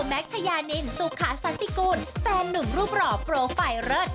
แม็กซ์ชายานินสุขาซาซิกูนแฟนหนุ่มรูปหล่อโปรไฟล์เลิศ